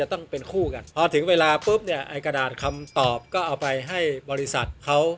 แต่ไปฝนได้เท่าไร๑๓ข้อ